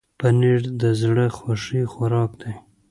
پنېر د زړه خوښي خوراک دی.